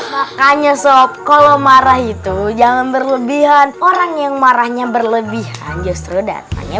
makanya sop kalau marah itu jangan berlebihan orang yang marahnya berlebihan justru datangnya